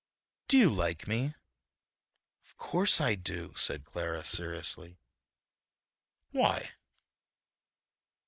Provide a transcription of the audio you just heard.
"Do you like me?" "Of course I do," said Clara seriously. "Why?"